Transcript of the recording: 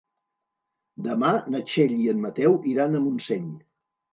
Demà na Txell i en Mateu iran a Montseny.